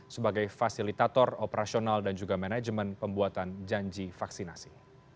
sebagai fasilitator operasional dan juga manajemen pembuatan janji vaksinasi